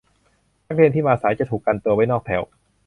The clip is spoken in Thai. นักเรียนที่มาสายจะถูกกันตัวไว้นอกแถว